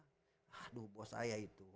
aduh bos saya itu